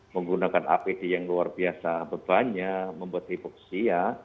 menggunakan apd yang luar biasa bebannya membuat ribuk sia